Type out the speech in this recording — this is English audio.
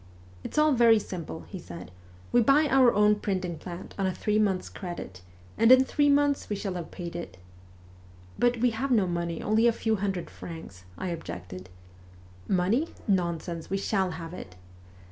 ' It's all very simple,' he said. ' We buy our own WESTERN EUROPE 231 printing plant on a three months' credit, and in three months we shall have paid it.' ' But we have no money, only a few hundred francs,' I objected. ' Money ? nonsense ! We shall have it